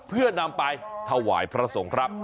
เพื่อนำไปถวายพระสงฆ์ครับ